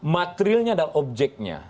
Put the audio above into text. materialnya adalah objeknya